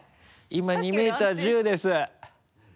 今２ｍ１０ｃｍです。